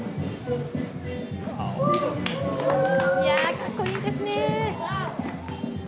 かっこいいですね。